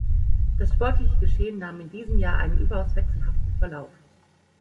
Das sportliche Geschehen nahm in diesem Jahr einen überaus wechselhaften Verlauf.